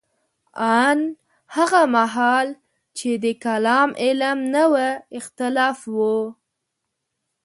ان هغه مهال چې د کلام علم نه و اختلاف وو.